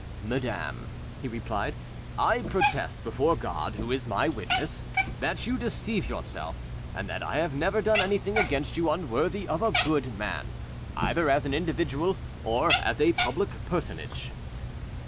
"Madam," he replied, "I protest before God, who is my witness, that you deceive yourself, and that I have never done anything against you unworthy of a good man, either as an individual or as a public personage."